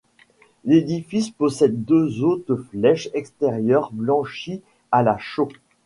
L'édifice possède deux hautes flèches extérieures blanchies à la chaux.